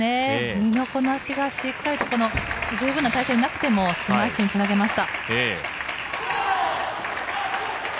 身のこなしが十分な体勢でなくてもスマッシュにつなげました。